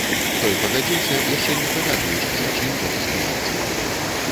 Той пагадзіўся, яшчэ не здагадваючыся, чым гэта скончыцца.